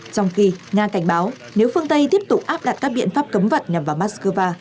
trong khi nga cảnh báo nếu phương tây tiếp tục áp đặt các biện pháp cấm vận nhằm vào moscow